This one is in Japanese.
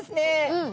うん。